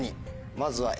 まずはＡ。